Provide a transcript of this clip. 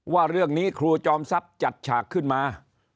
ว่าเรื่องนี้ครูจอมทรัพย์จัดฉากขึ้นมา